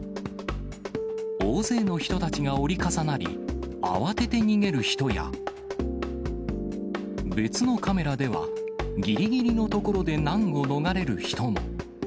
大勢の人たちが折り重なり、慌てて逃げる人や、別のカメラでは、ぎりぎりのところで難を逃れる人も。